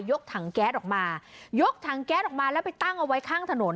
กถังแก๊สออกมายกถังแก๊สออกมาแล้วไปตั้งเอาไว้ข้างถนน